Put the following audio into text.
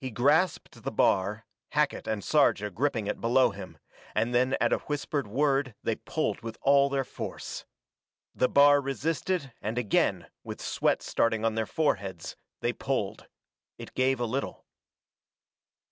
He grasped the bar, Hackett and Sarja gripping it below him, and then at a whispered word they pulled with all their force. The bar resisted and again, with sweat starting on their foreheads, they pulled. It gave a little.